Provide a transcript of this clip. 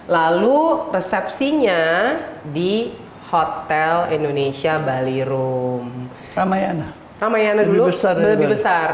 lalu resepsinya di hotel indonesia bali room ramai ramai anak dulu seru lebih besar